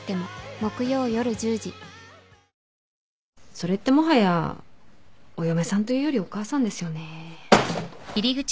それってもはやお嫁さんというよりお母さんですよね。